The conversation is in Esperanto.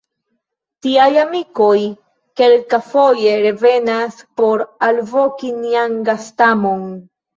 Tiaj „amikoj“ kelkafoje revenas por alvoki nian gastamon.